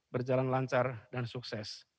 berjalan lancar dan sukses